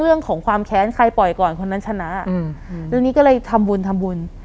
เรื่องของความแค้นใครปล่อยก่อนคนนั้นชนะอืมเรื่องนี้ก็เลยทำบุญทำบุญ